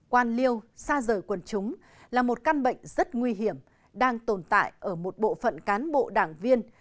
quan liêu xa rời quần chúng là một căn bệnh rất nguy hiểm đang tồn tại ở một bộ phận cán bộ đảng viên